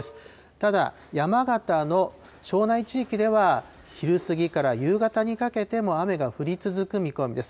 ただ、山形の庄内地域では、昼過ぎから夕方にかけても雨が降り続く見込みです。